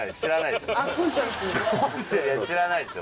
いやいや知らないでしょ。